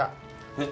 えっ。